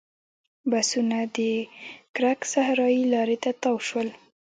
بسونه د کرک صحرایي لارې ته تاو شول.